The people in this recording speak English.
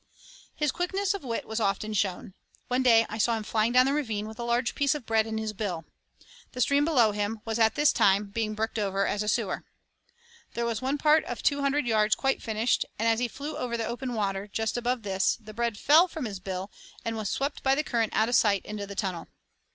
His quickness of wit was often shown. One day I saw him flying down the ravine with a large piece of bread in his bill. The stream below him was at this time being bricked over as a sewer. There was one part of two hundred yards quite finished, and, as he flew over the open water just above this, the bread fell from his bill, and was swept by the current out of sight into the tunnel.